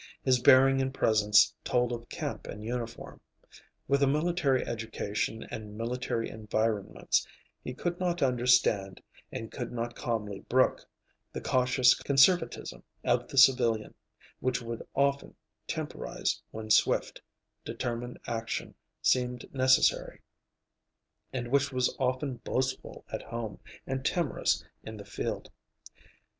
His bearing and presence told of camp and uniform. With a military education and military environments, he could not understand, and could not calmly brook, the cautious conservatism of the civilian, which would often temporize when swift, determined action seemed necessary, and which was often boastful at home, and timorous in the field.